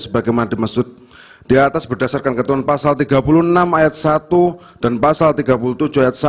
sebagaimana dimaksud di atas berdasarkan ketuhan pasal tiga puluh enam ayat satu dan pasal tiga puluh tujuh ayat satu